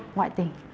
đúng rồi đúng rồi